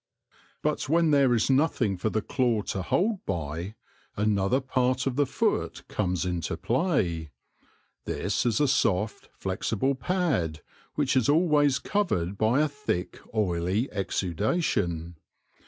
But when there is iiothing for the claw to hold by, another part of the foot comes into play. This is a soft, flexible pad, which is always covered by a thick, oily exudation.